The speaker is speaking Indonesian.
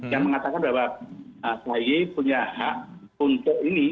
yang mengatakan bahwa ahy punya hak untuk ini